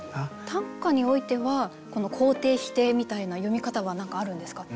短歌においては肯定否定みたいな読み方は何かあるんですか？